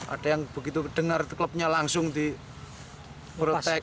ada yang begitu dengar klubnya langsung di protect